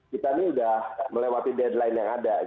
kita ini sudah melewati deadline yang ada